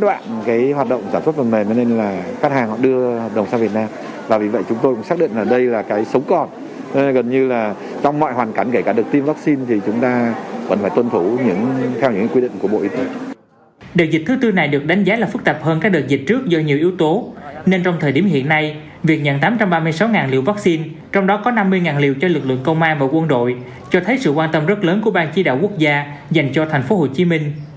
đợt dịch thứ tư này được đánh giá là phức tạp hơn các đợt dịch trước do nhiều yếu tố nên trong thời điểm hiện nay việc nhận tám trăm ba mươi sáu liều vaccine trong đó có năm mươi liều cho lực lượng công an và quân đội cho thấy sự quan tâm rất lớn của bang chỉ đạo quốc gia dành cho thành phố hồ chí minh